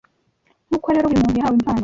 ” Nk’uko rero buri “muntu yahawe impano,